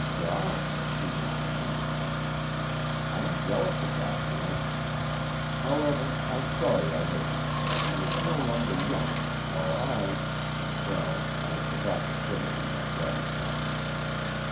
"Gosh!" he murmured plaintively. "I'm jealous of that man. However, I'm sorry I hurt him. He is no longer young, while I well, I forgot the chivalry my daddy taught me.